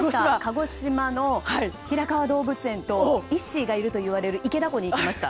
鹿児島の、平川動物園とイッシーがいるといわれる池田湖に行きました。